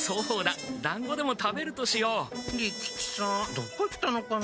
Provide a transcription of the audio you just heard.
どこ行ったのかな。